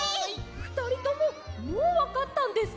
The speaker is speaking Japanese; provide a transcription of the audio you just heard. ふたりとももうわかったんですか？